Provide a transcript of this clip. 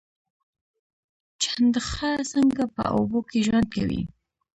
چنډخه څنګه په اوبو کې ژوند کوي؟